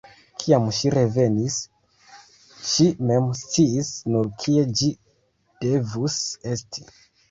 Kiam ŝi revenis, ŝi mem sciis nur, kie ĝi devus esti.